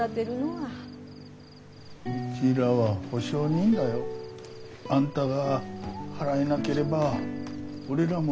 ・うちらは保証人だよ。あんたが払えなければ俺らも道連れになる。